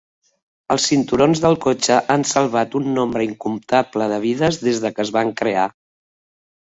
Els cinturons del cotxe han salvat un nombre incomptable de vides des que es van crear.